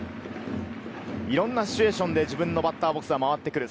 いろんなシチュエーションで自分のバッターボックスが回ってくる。